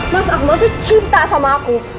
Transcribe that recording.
mas ahmad itu cinta sama aku